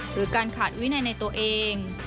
หรือการขาดวินัยในตัวเอง